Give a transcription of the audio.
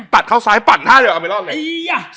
ตัดเข้าซ้ายปัดหน้าเดียวเอาไม่รอดเลย